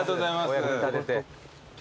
お役に立てて。